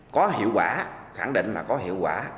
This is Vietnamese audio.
có hiệu quả khẳng định là có hiệu quả